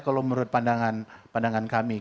kalau menurut pandangan kami